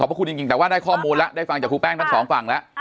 ขอบคุณจริงจริงแต่ว่าได้ข้อมูลละได้ฟังจากครูแป้งทั้งสองฝั่งละอ่า